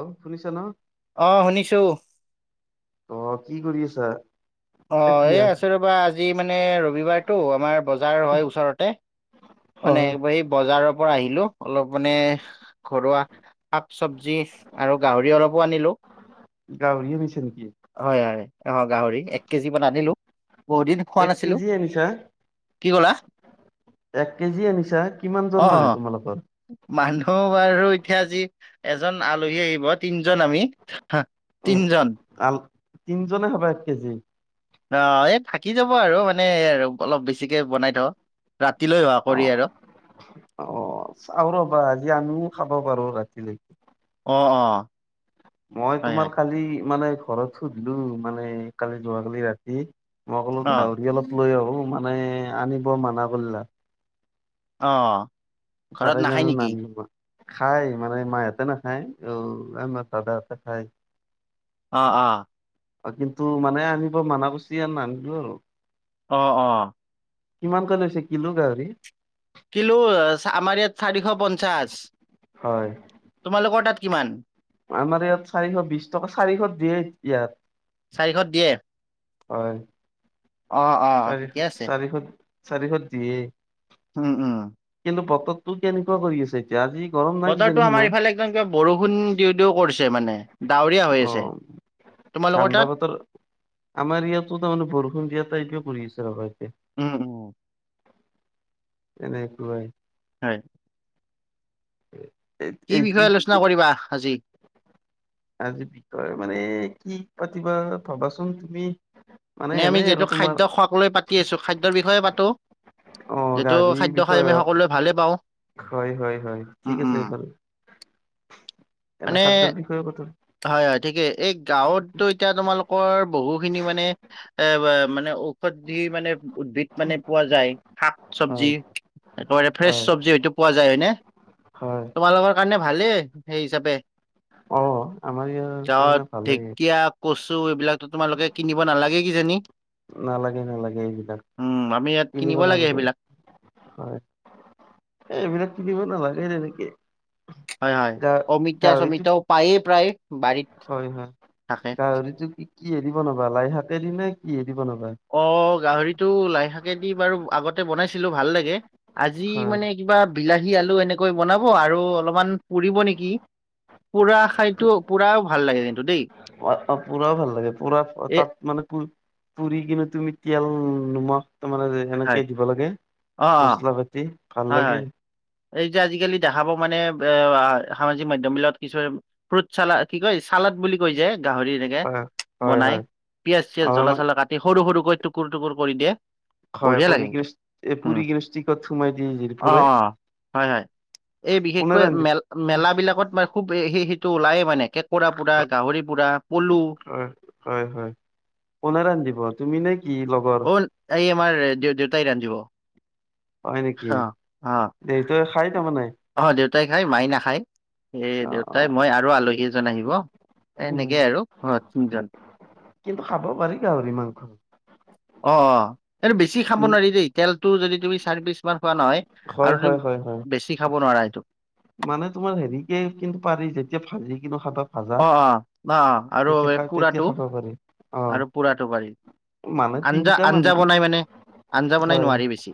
অ শুনিছা ন? অঁ শুনিছোঁ। অ কি কৰি আছা? অ এই এতিয়া? আছোঁ ৰ'বা আজি মানে ৰবিবাৰ টো আমাৰ বজাৰ হয় ওচৰতে। মানে হয়। একবাৰ সেই বজাৰৰ পৰা আহিলোঁ অলপ মানে ঘৰুৱা শাক চব্জি আৰু গাহৰি অলপো আনিলো। গাহৰিও বেছে নেকি? হয় হয় অ গাহৰি এক কেজি মান আনিলোঁ বহু দিন খোৱা এক নাছিলোঁ। কেজি আনিছা? কি ক'লা? এক কেজি আনিছা কিমানজন অ মানু্হ তোমালোকৰ? মানুহ বাৰু এতিয়া আজি এজন আলহী আহিব তিনজন আমি। উম তিনিজন। আল তিনজনে খাবা এক কেজি। অ এই থাকি যাব আৰু মানে আৰু অলপ বেছিকে বনাই থওঁ ৰাতিলৈ হোৱা অ কৰি আৰু। অ চাওঁ ৰ'বা আজি আমিও খাব পাৰো ৰাতিলৈ। অ অ। মই হয় হয় তোমাৰ কালি মানে ঘৰত সুধিলো মানে কালি যোৱাকালি ৰাতি। মই কোলো অ গাহৰি অলপ লৈ আহো মানে আনিব মানা কৰিলা। অ। ঘৰত তাৰাই নাখায় জানোঁ নেকি? নাম [inaudible] খাই মানে মাহঁতে নাখায় অ আমাৰ দাদাহঁতে খায়। অ অ। অ কিন্তু মানে আনিব মানা কৰিছে নানিলো আৰু। অ অ কিমানকৈ লৈছে কিলো গাহৰি কিলো আমাৰ ইয়াত চাৰিশ পঞ্চাশ হয়, তোমালোকৰ তাত কিমান আমাৰ ইয়াত চাৰিশ বিশ টকা চাৰিশ দিয়ে ইয়াত চাৰিশত দিয়ে হয় অ', অ', চাৰিশ ঠিকে আছে। চাৰিশ চাৰিশত দিয়ে উম উম। কিন্তু বতৰতো কেনেকুৱা কৰি আছে? আজি গৰম নাই কিজানি বতৰটো আমাৰ সিমান এইফালে একদম বৰষুণ দিওঁ দিও কৰিছে মানে ডাৱৰীয়া হৈ আছে অ', তোমালোকৰ ঠাণ্ডা তাত? বতৰ আমাৰ ইয়াতো তাৰমানে বৰষুণ দিয়া টাইপে পৰি আছে ৰবা এতিয়া উম উম এনেকোৱাই হয় এইটো বিষয়ে আলোচনা কি কৰিবা আজি আজি বিষয় মানে কি পাতিবা ভবাচোন তুমি মানে নে আমি এনেই আৰু যিহেতু তোমাৰ খাদ্য খোৱাক লৈ পাতি আছো খাদ্যৰ বিষয়ে পাতো অ', যিটো গাড়ীৰ খাদ্য খাই বিষয়ে আমি হওঁক সকলোৱে ভালে পাওঁ হয় হয় হয় উম, ঠিক আছে উম, এইফাল এনে মানে খাদ্যৰ বিষয়েও কথা হয় হয় ঠিকেই এই গাঁৱতো এতিয়া তোমালোকৰ বহুখিনি মানে এ মানে ও যি মানে উদ্ভিদ মানে পোৱা যায় শাক চবজি হয় এক ফ্ৰেচ হয় চব্জি হয়টো পোৱা যায় হয়নে হয় তোমালোকৰ কাৰণে ভালেই সেই হিচাপে অ, আমাৰ ইয়াৰ - ত ঢেকীয়া কচু এইবিলাকতো তোমালোকে কিনিব নালাগে কিজানি? নালাগে নালাগে এইবিলাক উম আমি ইয়াত কিনিব লাগে নালাগে। সেইবিলাক হয়, এইবিলাক কিনিব নালাগে তেনেকে! হয়, হয়। গা অমিতা গাহৰিটো চমিতাও পায়ে প্ৰায় বাৰীত। হয়, হয়। থাকে গাহৰিটো কি কিহেদি বনাবা লাইশাকেদি নে কিহেদি বনাবা? অ গাহৰিটো লাইশাকেদি বাৰু আগতে বনাইছিলো ভাল লাগে, আজি হয় মানে - কিবা বিলাহী আলু এনেকৈ বনাব, আৰু অলপমান পুৰিব নেকি? পুৰা খাইতো পুৰাও ভাল লাগে কিন্তু দেই। অ অ পুৰাও ভাল লাগে, পুৰা এ তাত মানে পুৰ - পুৰি কিনে তুমি তেল নিমখ - তাৰ মানে হয় হয় হেনেকে দিব লাগে অ', অ', মচলা পাতি ভাল হয় হয় লাগে। এই যে আজিকালি দেখাব মানে এ সামাজিক মাধ্যমত বিলাকত কিছুমান - ফ্ৰুট চাল কি কয় চালাড বুলি কয় যে গাহৰি - তেনেকে হয় হয় বনাই হয় পিয়াজ চিয়াজ জ্বলা অ চলা কাটি সৰু সৰুকৈ টুকুৰ টুকুৰ কৰি দিয়ে - হয় বঢ়িয়া কৰি লাগে কিনে একদম, এ উম পুৰি কিনে ষ্টিকত সোমাই দি জেল অ পুৰে অ হয় হয়। এই কোনে বিশেষকৈ ৰান্ধিব মেল - মেলা বিলাকত মানে খুব সেই সেইটো ওলায়ে মানে কেঁকোৰা পুৰা, গাহৰি পুৰা, পলু - হয় হয়, হয়। কোনে ৰান্ধিব তুমি নে কি ল - অ এই আমাৰ দেউতাই ৰান্ধিব। হয় নেকি? অ অ দেউতাই খাই তাৰমান নে? অ দেউতাই খাই মাই নাখায়, এই অ অ দেউতাই মই আৰু আলহী এজন আহিব। উম এনেকেই আৰু ঘৰত তিনজন। কিন্তু খাব পাৰি গাহৰি মাংস। অ অ অ, এইটো বেছি খাব কি নোৱাৰি দেই তেলটো যদি তুমি চাৰি পিছ মান খোৱা নহয় - হয় হয় হয় হয়। খাব নোৱাৰা এইটো। মানে তোমাৰ হেৰিকে কিন্তু পাৰি যেতিয়া ভাজি কিনে খাব - ভাজা অ অ অ আৰু তেতিয়া তেতিয়া এই খাই পোৰাটো তেতিয়া খাব পাৰি অ। আৰু পোৰাটো পাৰি মানে আঞ্জা তিনিটা আঞ্জা মানুহ কি, বনাই মানে আঞ্জা বনাই হয়। নোৱাৰি বেছি।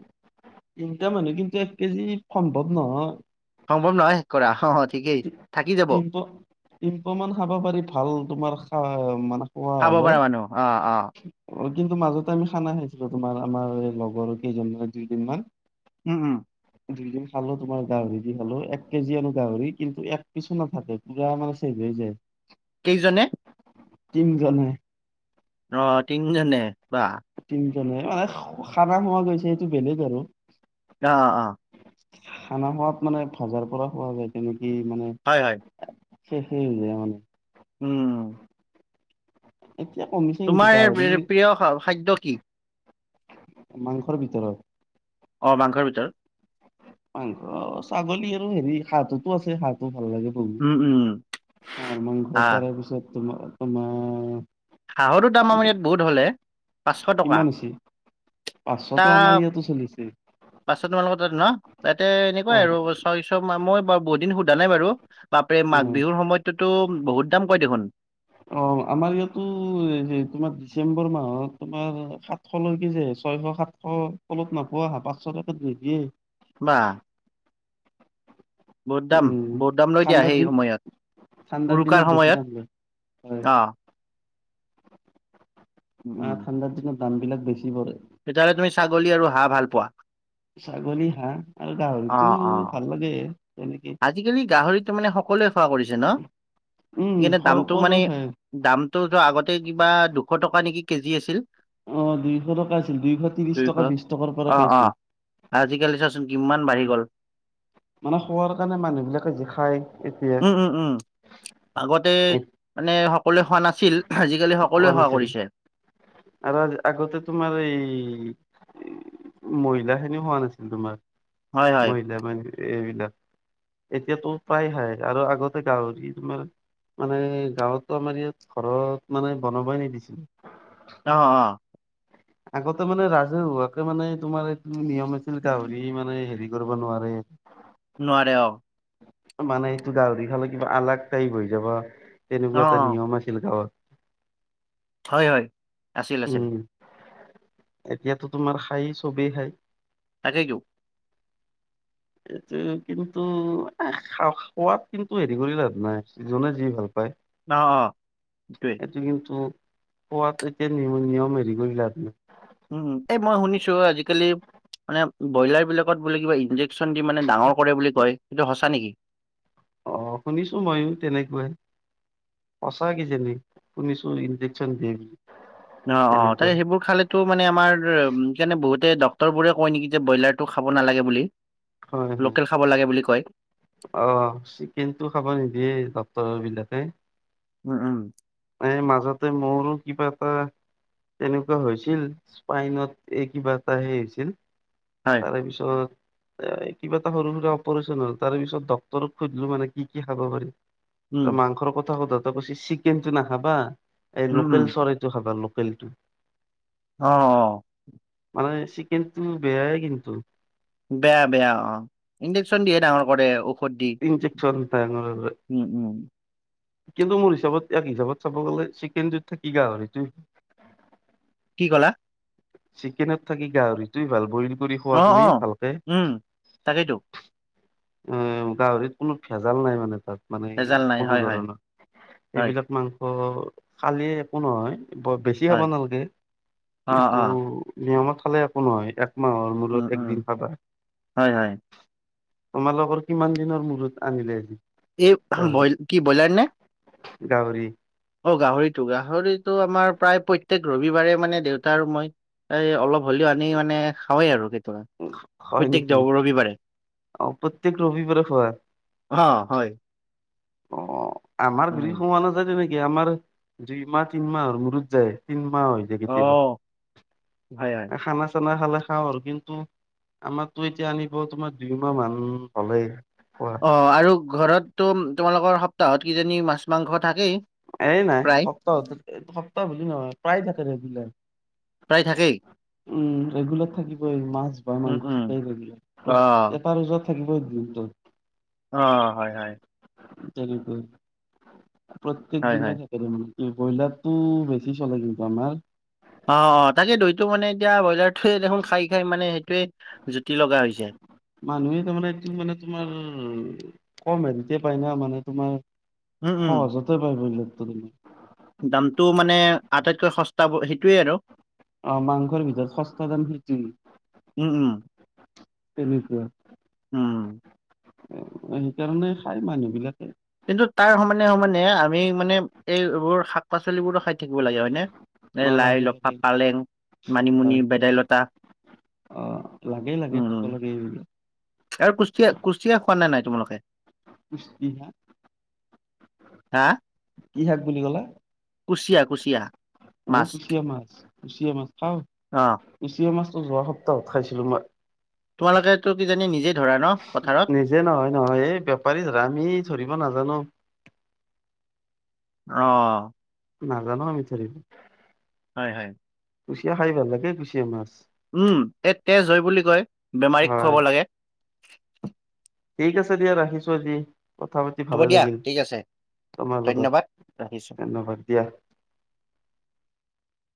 তিনিটা মানুহ কিন্তু এককেজি সম্ভৱ নহয়! সম্ভৱ নহয় শেষ কৰা অ অ ঠিকেই থাকি যাব। তিন পোৱা মান খাব পাৰি ভাল তোমাৰ খা মানে খোৱা খাব হলে। পৰা মানুহ অ অ অ কিন্তু মাজতে আমি খানা খাইছিলো তোমাৰ আমাৰ এই লগৰ কেইজন দুদিনমান - উম উম। দুইদিন খালো তোমাৰ গাহৰি দি খালো এক কেজি আনো গাহৰি - কিন্তু এক পিছু নাথাকে পুৰা মানে চেচ হৈ যায়। কেইজনে? তিনজনে। অ তিনিজনে বাহঃ। তিনিজনে মানে খানা হোৱা গৈছে সেইটো বেলেগ আৰু। অ অ অ। খানা খোৱাত মানে ভাজাৰ পৰা খোৱা যায় তেনেকেই মানে - হয় হয়। শেষেই হৈ যায় মানে। উম' উম। এতিয়া কমিছে। কিন্তু তোমাৰ গাহৰি প্ৰিয় খাদ্য কি? মাংসৰ ভিতৰত। অ মাংসৰ ভিতৰত। মাংস ছাগলী আৰু হেৰি হাঁহতো আছে হাঁহটো ভাল লাগে। উম হাঁহ হা মাংখ তাৰে পিছত তোমাৰ তোমাৰ। হাঁহৰ দাম আমাৰ ইয়াত বহুত হ'লে পাঁচশ টকা। কিমান হৈছে এটা পাঁচশতো আমাৰ ইয়াতো চলিছে। পাঁচশ তোমালোকৰ তাত ন তাতে অ এনেকুৱাই আৰু ছয়শ মই ব বহুত দিন সোধা নাই বাৰু। বাপৰে অ মাঘ বিহুৰ সময়তটোতো বহুত দাম কয় দেখোন। অ আমাৰ ইয়াতো তোমাৰ ডিচেম্বৰ মাহত তোমাৰ সাত- শলৈ কি যে ছয়শ সাতশ তলত নোপোৱা পাঁচশ টকাত নিদিয়ে। বা। বহুত দাম উম বহুত দাম লৈ দিয়া ঠাণ্ডাৰ সেই দিন সময়ত। ঠাণ্ডাৰ দিনত উৰুকাৰ বেছি সময়ত দাম লয় হয় আহ। হাঁহ ঠাণ্ডাৰ দিনত দাম বিলাক বেছি পৰে। তেতিয়া হ'লে তুমি ছাগলী আৰু হাঁহ ভাল পোৱা। ছাগলী হাঁহ আৰু গাহৰিতো অ', অ'। ভাল লাগে তেনেকে। আজিকালি গাহৰিটো মানে সকলোৱে খোৱা কৰিছে ন উম সেইকাৰণে দামটো সকলো খাই মানে- দামটো আগতে কিবা দুশ টকা নেকি কেজি আছিল। অ দুইশ টকা আছিল দুইশ ত্ৰিশ দুইশ টকা বিশ টকাৰ পৰা অ', পাইছো। অ'। আজিকালি চাচোন কিমান বাঢ়ি গ'ল। মানে খোৱাৰ কাৰণে মানুহ বিলাকে যি খায়। এতিয়া উম'উম'উম। আগতে এইটো মানে সকলোৱে খোৱা নাছিল আজিকালি খোৱা সকলোৱে খেৱা নাছিল কৰিছে। আৰু আজ আগতে তোমাৰ এই- মহিলা খিনিও খোৱা নাছিল তোমাৰ হয়, হয়। মহিলা মানে এইবিলাক। এতিয়াতো প্ৰায় হাই আৰু আগতে গাহৰি তোমাৰ, মানে গাঁৱতো আমাৰ ইয়াত ঘৰত মানে বনাবাই নিদিছিল। অঁ'অঁ' আগতে মানে ৰাজহুৱাকে মানে তোমাৰ এই নিয়ম আছিল গাহৰি মানে হেৰি কৰিব নোৱাৰে? নোৱাৰে অ'! মানে এইটো গাহৰি খালে কিবা আলাগ টাইপ হৈ যাবা অ', তেনেকুৱা এটা অ'। নিয়ম আছিল গাঁৱত। হয় হয়, আছিল, আছিল। উম এতিয়াতো তোমাৰ খায় চবেই খায়। তাকেটো। এইটো কিন্তু এ খোৱাদ কিন্তু হেৰি কৰি লাভ নাই যিজনে যি ভাল পায়। অ', অ'সেইটোৱেই! সেইটো কিন্তু খোৱাত এতিয়া নিয়ম হেৰি কৰি লাভ নাই। উম! এ মই শুনিছোঁ আজিকালি মানে ব্ৰইলাৰ বিলাকত বোলে কিবা ইনজেক- চন দি মানে ডাঙৰ কৰে বুলি কয় সেইটো সঁচা নেকি? অ শুনিছো মইও তেনেকুৱাই। সঁচা কিজানি, শুনিছোঁ ইঞ্জেকচন দিয়ে। অঁ'অঁ', তাই তেনেকুৱা সেইবোৰ খালে- ত' মানে আমাৰ উম, সেইকাৰণে বহুতে ডক্টৰবোৰে কয় নেকি যে ব্ৰইলাৰটো খাব নালাগে বুলি। হয় হয় লোকেল খাব লাগে বুলি কয়। অ' চিকেন টো খাব নিদিয়ে ডক্টৰ বিলাকে। উম। মানে মাজতে মোৰো কিবা এটা তেনেকুৱা হৈছিল, স্পাইনত এই কিবা এটা হে হৈছিল। হয়। তাৰে পিছত এ কিবা এটা সৰু সুৰা অপাৰেচন হ'ল, তাৰে পিছত ডাক্তৰক সুধিলো মানে কি কি খাব পাৰিম। উম, ত' মাংসৰ কথা সোধোতে কৈছিল, চিকেনটো নাখাবা। এই উম, উম, লোকেল চৰাইটো খাবা, লোকেলটো। অ'। মানে চিকেনটো বেয়াই কিন্ত। বেয়া বেয়া অ', ইনজেকচন দিয়ে ডাঙৰ কৰে ও ইনজেকচন ডাঙৰ উম, উম, কিন্তু মোৰ হিচাপত এক হিচাপত চাব গ'লে চিকেনটোত থাকি গাহৰিটো কি ক'লা? চিকেনত থাকি গাহৰিটো ভাল কৰি বইল কৰি অ', খোৱা তুমি অ', ভালকে। উম। তাকেইতো। উম, গাহৰিত কোনো ভেজাল নাই মানে তাত। মানে ভেজাল নাই কোনো হয়, হয়, ধৰণৰ, হয়, এইবিলাক মাংস খালে একো নহয়। বৰ বেছি খাব হয়, নালাগে, অ', কিন্তু অ', নিয়মত খালে একো নহয় এক মাহৰ উম, মূৰত উম, একদিন খাবা। হয় হয়। তোমালোকৰ কিমান দিনৰ মূৰত আনিলে? এই গাহৰি বই, কি ব্ৰইলাৰ নে? গাহৰি অ' গাহৰিটো, গাহৰিটো আমাৰ প্ৰায় প্ৰত্যেক ৰবিবাৰে মানে দেউতা আৰু মই এই অলপ হ'লেও আনি মানে খাওঁৱেই আৰু কেতিয়াবা। অ' হয় প্ৰত্যেক নেকি, দেও ৰবিবাৰে অ' প্ৰত্যেক ৰবিবাৰে খোৱা। অ' হয়। অ আমাৰ [unintelligible] উম খোৱা নাযায় তেনেকে, আমাৰ দুই মাহ তিন মাহৰ মূৰত তিন মাহ হ'য়। অ কেতিয়াবা, হয় হয় খানা চানা খালে। খাওঁ আৰু কিন্তু, আমাৰতো এতিয়া আনিব তোমাৰ দুই মাহ মান হ'লেই, খোৱা। অ' আৰু ঘৰতো তোমালোকৰ সপ্তাহত কিজানি মাছ মাংস থাকেই। এই নাই, প্ৰায় সপ্তাহত সপ্তাহ বুলি নহয় প্ৰায় থাকে তেতিয়া। প্ৰায় থাকেই? উম, ৰেগুলাৰ থাকিবই মাছ বা উম মাংস উম থাকেই লাগিব। অ তোমাৰ ওচৰত থাকিবই দিনটোত। অ' হয় হয়। [unintelligible] প্ৰত্যেক হয় হয় দিনেই থাকিব। উম, ব্ৰইলাৰতটো বেছি চলে কিন্তু আমাৰ। অ' অ' তাকেটো মানে এইটো মানে এতিয়া ব্ৰইলাৰটো দেখোন খাই খাই মানে সেইটোৱে জুতি লগা হৈছে। মানুহে তাৰমানে এইটো মানে তোমাৰ, কম হেৰিতে পায় ন মানে তোমাৰ উম উম সহজতে পাই [unintelligible] দামটো মানে আটাইতকৈ সস্তা সেইটোৱে আৰু। অ মাংসৰ ভিতৰত সস্তা দাম [unintelligible] উম উম তেনেকুৱা উম সেইকাৰণে খাই মানুহ বিলাকে। কিন্তু তাৰ সমানে সমানে আমি মানে এইবোৰ শাক- পাচলিবোৰো খাই থাকিব লাগে হয় নে এ অ লাই, লাগে লফা, লাগে পালেং, মানিমুনি, হয় ভেদাইলতা অ লাগে লাগে উম সকলোত [unintelligible] আৰু কুচিয়া কুচিয়া খোৱা নাই নাই তোমালোকে? কুচিয়া হা কি শাক বুলি কলা কুচিয়া কুচিয়া অ মাছ কুচিয়া মাছ কুচিয়া মাছ খাওঁ অ কুচিয়া মাছটো যোৱা সপ্তাও খাইছিলোঁ মই। তোমালোকেতো কি জানি নিজেই ধৰা ন পথাৰত যে নহয় নহয় এই বেপাৰী ধৰে আমি ধৰিব নাজানো। অ নাজানো আমি ধৰিব হয় হয় কুচিয়া খাই ভাল লাগে কুচিয়া মাছ। উম এই তেজ হয় বুলি কয় বেমাৰীক হয়। খুৱাব লাগে। ঠিক আছে দিয়া ৰাখিছো আজি। কথা পাতি হ'ব ভালে দিয়া লাগিল ঠিক আছে তোমাৰ লগত ধন্যবাদ ৰাখিছো ধন্যবাদ দিয়া।